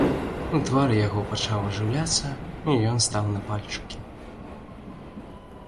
Твар яго пачаў ажыўляцца, ён стаў на пальчыкі.